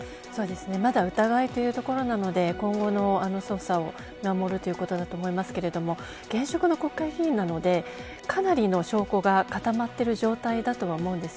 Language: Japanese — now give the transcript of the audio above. まだ疑いというところなので今後の捜査を守るということだと思いますが現職の国会議員なのでかなりの証拠が固まっている状態だと思うんです。